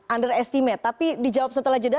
underestimate tapi dijawab setelah jeda